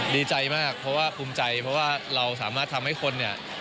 ดีใจมากเพราะว่าภูมิใจเพราะว่าเราสามารถทำให้คนเนี่ย